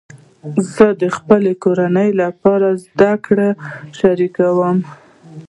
زه د خپلې کورنۍ لپاره زده کړه شریکوم.